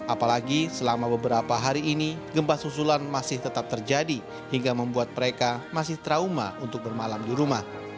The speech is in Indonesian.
apalagi selama beberapa hari ini gempa susulan masih tetap terjadi hingga membuat mereka masih trauma untuk bermalam di rumah